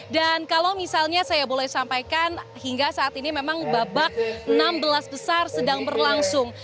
dan kalau misalnya saya boleh sampaikan hingga saat ini memang babak enam belas besar sedang berlangsung